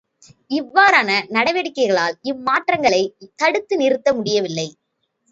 இவ்வாறான நடவடிக்கைகளால் இம்மாற்றங்களைத் தடுத்து நிறுத்த முடியவில்லை.